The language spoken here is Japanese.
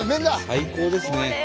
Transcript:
最高ですね。